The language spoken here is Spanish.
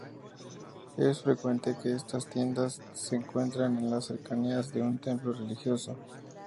Es frecuente que estas tiendas se encuentren en las cercanías de un templo religioso.